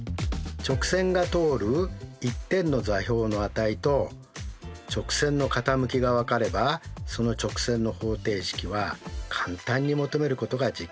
直線が通る１点の座標の値と直線の傾きが分かればその直線の方程式は簡単に求まることが実感できましたか？